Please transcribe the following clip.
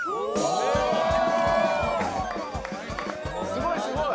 すごいすごい！